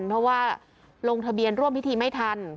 เพราะว่าลงทะเบียนร่วมพิธีไม่ทัน